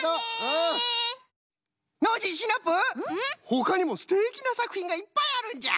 ほかにもすてきなさくひんがいっぱいあるんじゃ。